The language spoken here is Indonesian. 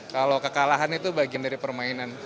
kalau kekalahan itu bagian dari permainan